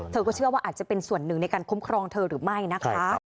เธอก็เชื่อว่าอาจจะเป็นส่วนหนึ่งในการคุ้มครองเธอหรือไม่นะคะ